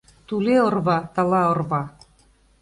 Туле орва — тала орва.